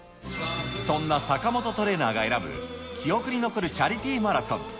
そんな坂本トレーナーが選ぶ記憶に残るチャリティーマラソン。